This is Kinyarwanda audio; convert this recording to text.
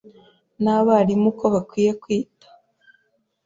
n’abarimu ko bakwiye kwita